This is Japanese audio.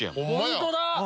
本当だ！